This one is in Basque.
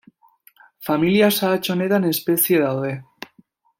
Familia sahats honetan espezie daude.